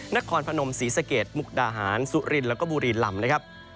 นครพนมศรีสะเกดมุกดาหารสุรินแล้วก็บุรีลำนะครับ